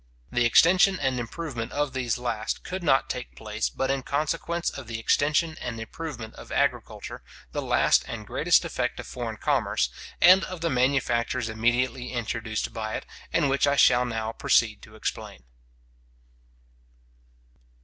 The extension and improvement of these last could not take place but in consequence of the extension and improvement of agriculture, the last and greatest effect of foreign commerce, and of the manufactures immediately introduced by it, and which I shall now proceed to explain.